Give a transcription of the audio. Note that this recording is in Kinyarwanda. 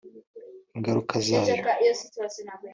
Ingaruka zayo